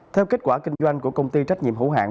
theo kết quả kinh doanh của công ty trách nhiệm hữu hạng